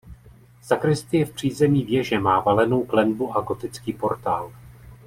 Sakristie v přízemí věže má valenou klenbu a gotický portál.